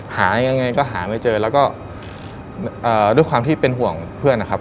หายังไงก็หาไม่เจอแล้วก็ด้วยความที่เป็นห่วงเพื่อนนะครับ